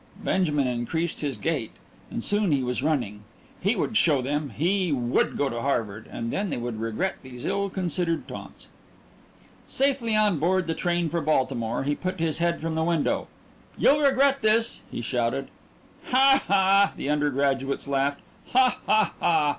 Benjamin increased his gait, and soon he was running. He would show them! He would go to Harvard, and then they would regret these ill considered taunts! Safely on board the train for Baltimore, he put his head from the window. "You'll regret this!" he shouted. "Ha ha!" the undergraduates laughed. "Ha ha ha!"